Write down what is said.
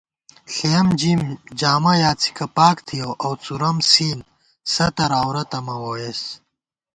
ݪېیَم جیم، جامہ یا څھِکہ پاک تھِیَؤ او څُورَم سین، ستر عورَتہ مہ ووئېس